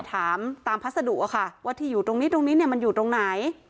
ถามตามพัสดุอะค่ะว่าที่อยู่ตรงนี้ตรงนี้เนี่ยมันอยู่ตรงไหน